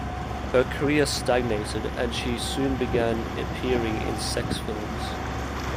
Her career stagnated, and she soon began appearing in sex films.